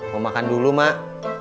mau makan dulu mak